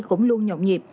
cũng luôn nhộn nhịp